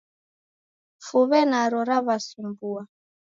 Fuw'e naro raw'asumbua